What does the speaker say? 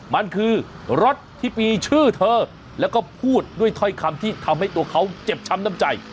มันคือรถที่มีชื่อเธอแล้วก็พูดด้วยถ้อยคำที่ทำให้ตัวเขาเจ็บช้ำน้ำใจ